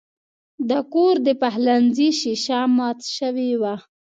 د کور د پخلنځي شیشه مات شوې وه.